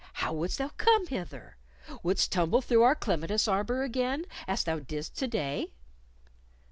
How wouldst thou come hither? Wouldst tumble through our clematis arbor again, as thou didst this day?"